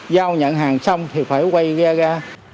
giao nhận hàng xong thì phải quay ra